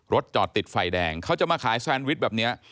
จอดติดไฟแดงเขาจะมาขายแซนวิชแบบนี้